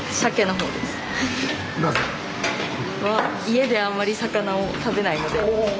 家であんまり魚を食べないので。